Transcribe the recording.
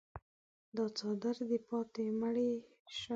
دا څادر دې پاته مړی شته.